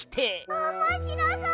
おもしろそう！